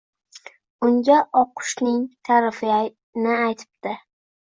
Unga oqqushning ta’rifini aytibdi